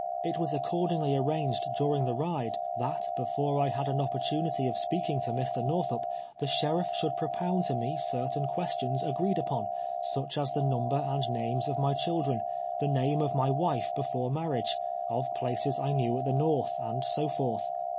It was accordingly arranged during the ride, that, before I had an opportunity of sj^eaking to Mr. Xorthup, the sheriff should propound to me cer tain questions agreed upon, such as the number and names of my children, the name of my wife before marriage, of places I knew at the Xorth, and so forth.